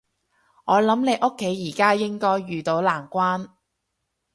我諗你屋企而家應該遇到難關